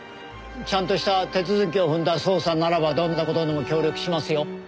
ちゃんとした手続きを踏んだ捜査ならばどんな事にも協力しますよ。